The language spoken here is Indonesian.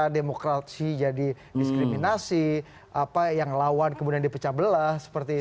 demokrasi jadi diskriminasi apa yang lawan kemudian dipecah belah seperti itu